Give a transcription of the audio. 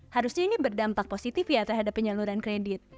harusnya ini berdampak positif ya terhadap penyaluran kredit